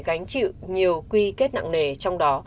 gánh chịu nhiều quy kết nặng nề trong đó